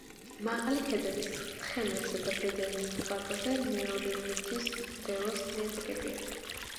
მაღალი ქედების თხემებზე და ბედენის პლატოზე მეორეული მთის მდელოს ნიადაგებია.